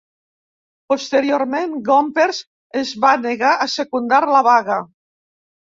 Posteriorment, Gompers es va negar a secundar la vaga.